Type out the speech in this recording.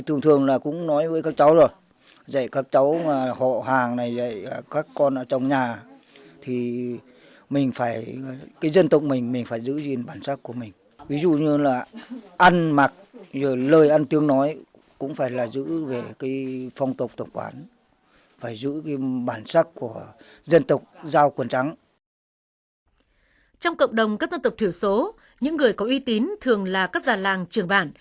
trong cộng đồng các dân tộc thiểu số những người có uy tín thường là các già làng trường bản